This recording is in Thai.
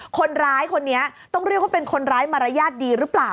คนร้ายคนนี้ต้องเรียกว่าเป็นคนร้ายมารยาทดีหรือเปล่า